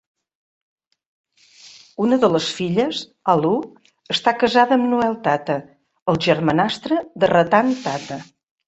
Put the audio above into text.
Una de les filles, Aloo, està casada amb Noel Tata, el germanastre de Ratan Tata.